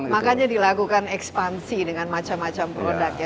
makanya dilakukan ekspansi dengan macam macam produk ya